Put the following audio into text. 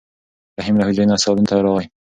رحیم له حجرې نه صالون ته راغی.